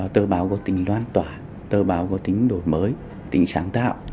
tờ báo có tình loan tỏa tờ báo có tính đổi mới tính sáng tạo